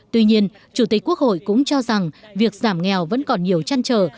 tuy nhiên chủ tịch quốc hội cũng cho rằng việc giảm nghèo vẫn còn nhiều chăn trở